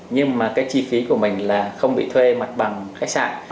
nhưng mà cái chi phí của mình là không bị thuê mặt bằng khách sạn